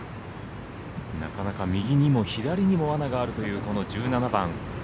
なかなか右にも左にも罠があるというこの１７番。